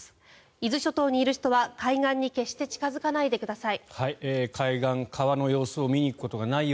伊豆諸島にいる人は海岸に決して近付かないでください。